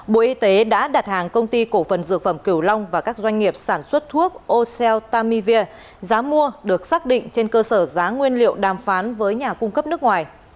bộ y tế đã đặt hàng công ty cổ phần dược phẩm cửu long và các doanh nghiệp sản xuất thuốc ocell tamivir giá mua được xác định trên cơ sở giá nguyên liệu đàm phán với nhà cung cấp nước ngoài